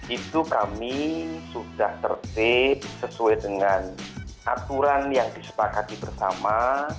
itu kami sudah tertib sesuai dengan aturan yang disepakati bersama